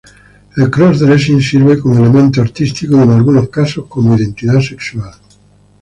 El "cross-dressing" sirve como elemento artístico y en algunos casos como identidad sexual.